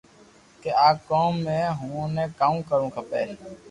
ڪي آ ڪوم مي ائو ني ڪاو ڪروُ کپي